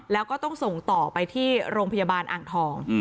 แล้วก็ต้องส่งต่อไปที่โรงพยาบาลอ่างทอง